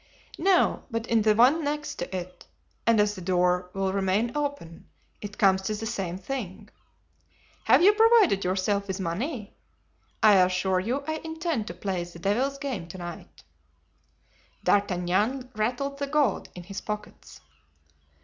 "No, but in the one next to it, and as the door will remain open it comes to the same thing. Have you provided yourself with money? I assure you I intend to play the devil's game to night." D'Artagnan rattled the gold in his pockets.